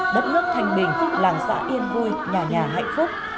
đất nước thanh bình làng xã yên vui nhà nhà hạnh phúc